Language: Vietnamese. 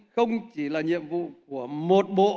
không chỉ là nhiệm vụ của một bộ